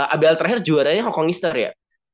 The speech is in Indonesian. abdel terakhir juaranya hong kong easter ya